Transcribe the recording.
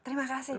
terima kasih buya